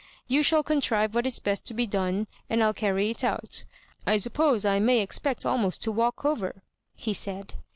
You shall contrive what is best to be done, and I'll carry it out I suppose I may expect almost to walk over," he said.